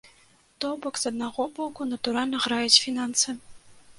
То бок, з аднаго боку, натуральна, граюць фінансы.